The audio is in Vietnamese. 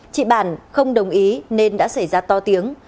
chị bản không đồng ý nên đã xảy ra to tiếng